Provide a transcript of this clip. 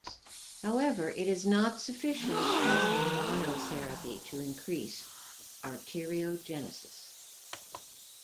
However, it is not sufficient as a monotherapy to increase arteriogenesis.